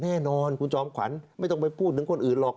แน่นอนคุณจอมขวัญไม่ต้องไปพูดถึงคนอื่นหรอก